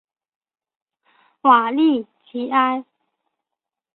瓦利吉埃。